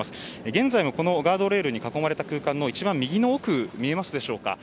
現在も、ガードレールに囲われた空間の右の奥見えますでしょうか。